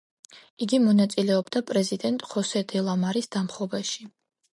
იგი მონაწილეობდა პრეზიდენტ ხოსე დე ლა-მარის დამხობაში.